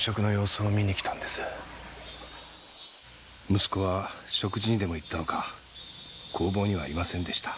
息子は食事にでも行ったのか工房にはいませんでした。